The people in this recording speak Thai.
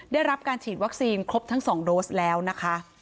ได้รับการฉีดวัคซีนครบทั้ง๒โดสแล้วนะคะ